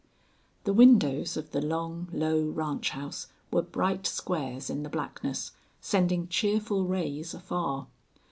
The windows of the long, low ranch house were bright squares in the blackness, sending cheerful rays afar.